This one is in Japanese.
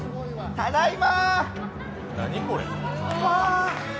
ただいま。